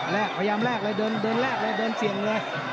พยายามแรกเลยเดินแรกเลยเดินเสี่ยงเลย